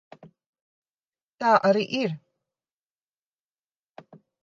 Tā arī ir.